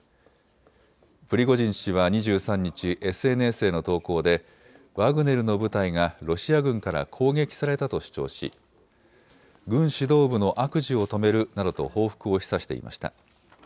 プリゴジン氏は２３日、ＳＮＳへの投稿でワグネルの部隊がロシア軍から攻撃されたと主張し軍指導部の悪事を止めるなどと報復を示唆していました。